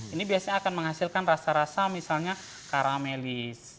ini biasanya akan menghasilkan rasa rasa misalnya karamellis